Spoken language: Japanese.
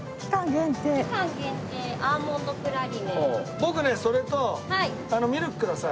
僕ねそれとミルクください。